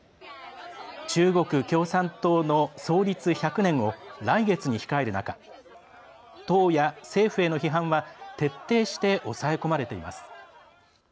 中国共産党の創立１００年を来月に控える中党や政府への批判は徹底して抑え込まれています。